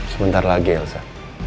sebentar lagi elsa